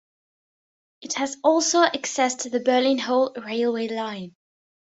It has also access to the Berlin-Halle railway line.